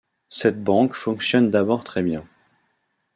Cette banque fonctionne d'abord très bien.